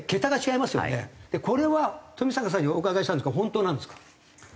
これは冨坂さんにお伺いしたいんですが本当なんですか？